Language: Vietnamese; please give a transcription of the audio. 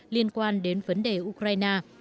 liên quan đến vấn đề ukraine